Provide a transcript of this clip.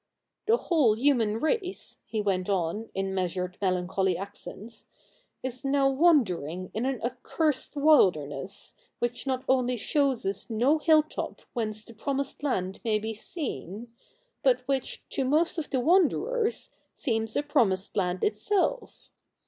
The whole human race,' he went on in measured melancholy accents, 'is now wandering in an accursed wilderness, which not only shows us no hilltop whence the promised land may be seen, but which, to most of the wanderers, seems a promised land itself.